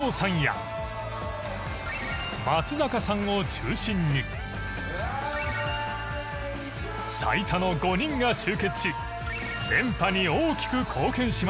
イチローさんや松坂さんを中心に最多の５人が集結し連覇に大きく貢献しました。